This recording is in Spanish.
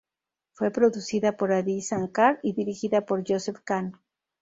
Fue producida por Adi Shankar y dirigida por Joseph Kahn.